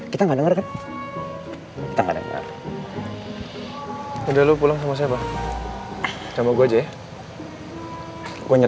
kita enggak denger dengar udah lu pulang sama saya sama gue aja ya